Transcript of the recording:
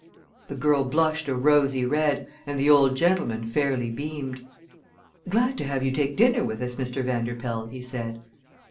The girl blushed a rosy red, and the old gentleman fairly beamed. "Glad to have you take dinner with us, Mr. Vanderpoel," he said.